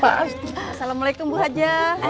assalamualaikum bu haja